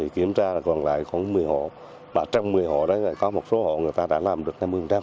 kiểm tra còn lại có một mươi hộ trong một mươi hộ có một số hộ người ta đã làm được năm mươi